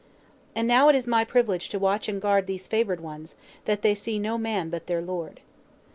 "And now it is my privilege to watch and guard these favored ones, that they see no man but their lord."